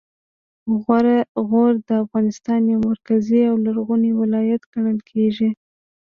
غور د افغانستان یو مرکزي او لرغونی ولایت ګڼل کیږي